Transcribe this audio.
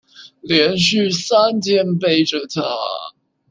連續三天背著她